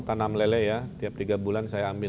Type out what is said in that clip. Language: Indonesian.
tanam lele ya tiap tiga bulan saya ambil